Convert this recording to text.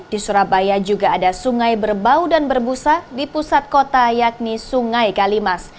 di surabaya juga ada sungai berbau dan berbusa di pusat kota yakni sungai kalimas